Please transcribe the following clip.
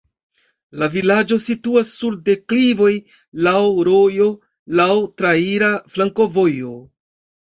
La vilaĝo situas sur deklivoj, laŭ rojo, laŭ traira flankovojo.